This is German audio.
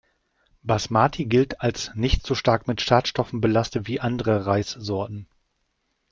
Basmati gilt als nicht so stark mit Schadstoffen belastet wie andere Reissorten.